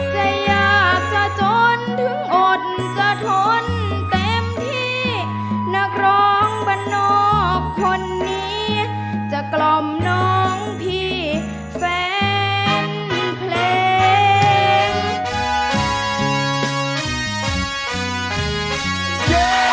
จะอยากจะจนถึงอดจะทนเต็มที่นักร้องบรรนอกคนนี้จะกล่อมน้องพี่แฟนเพลง